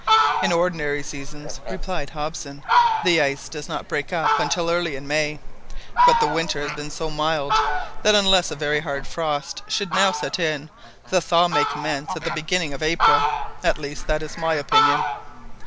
"In ordinary seasons," replied Hobson, "the ice does not break up until early in May; but the winter has been so mild that unless a very hard frost should now set in, the thaw may commence at the beginning of April. At least that is my opinion."